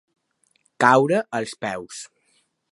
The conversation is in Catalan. Caure als peus.